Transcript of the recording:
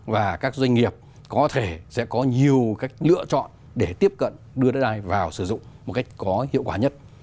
và các doanh nghiệp có thể sẽ có nhiều cách lựa chọn để tiếp cận đưa đất đai vào sử dụng một cách có hiệu quả nhất